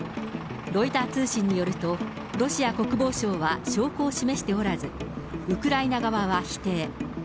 ロイター通信によると、ロシア国防省は証拠を示しておらず、ウクライナ側は否定。